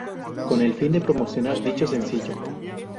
Con el fin de promocionar dicho sencillo.